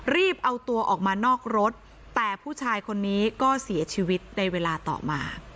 รีบเอาตัวออกมานอกรถแต่ผู้ชายคนนี้ก็เสียชีวิตในเวลาต่อมา